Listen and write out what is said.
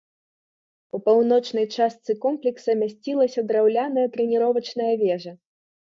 У паўночнай частцы комплекса мясцілася драўляная трэніровачная вежа.